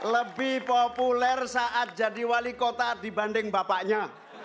lebih populer saat jadi wali kota dibanding bapaknya